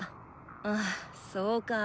ああそうかぁ。